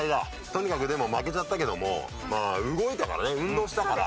とにかくでも負けちゃったけども動いたからね運動したから。